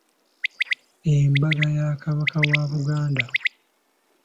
Embaga ya Kabaka wa Buganda.